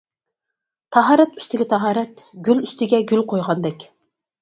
«تاھارەت ئۈستىگە تاھارەت، گۈل ئۈستىگە گۈل قويغاندەك» .